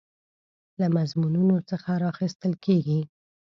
له مضمونونو څخه راخیستل کیږي.